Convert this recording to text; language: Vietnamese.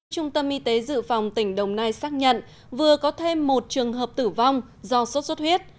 trung tâm y tế dự phòng tỉnh đồng nai xác nhận vừa có thêm một trường hợp tử vong do sốt xuất huyết